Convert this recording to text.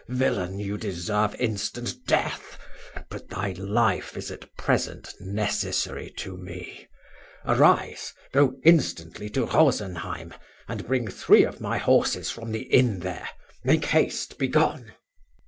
Villain, you deserve instant death; but thy life is at present necessary to me. Arise, go instantly to Rosenheim, and bring three of my horses from the inn there make haste! begone!"